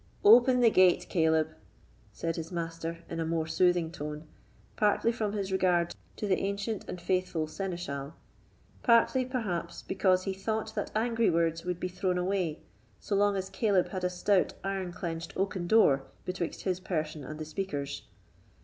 "Open the gate, Caleb," said his master, in a more soothing tone, partly from his regard to the ancient and faithful seneschal, partly perhaps because he thought that angry words would be thrown away, so long as Caleb had a stout iron clenched oaken door betwixt his person and the speakers.